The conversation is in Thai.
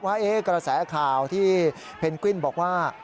ว่ากระแสข่าวที่เพนกวินบอกว่า